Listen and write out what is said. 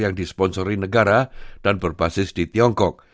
yang disponsori negara dan berbasis di tiongkok